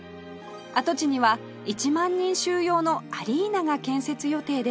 跡地には１万人収容のアリーナが建設予定です